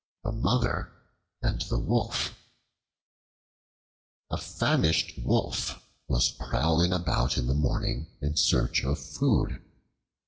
The Mother and the Wolf A FAMISHED WOLF was prowling about in the morning in search of food.